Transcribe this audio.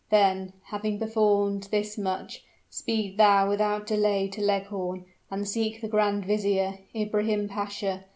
Then, having performed this much, speed thou without delay to Leghorn, and seek the grand vizier, Ibrahim Pasha.